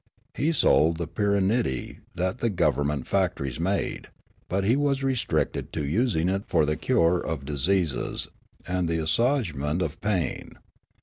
He sold the pyrannidee that the government factories made ; but he was restricted to using it for the cure of disease and the assuagement of ])ain.